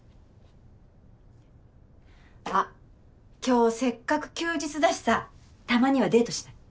あっ今日せっかく休日だしさたまにはデートしない？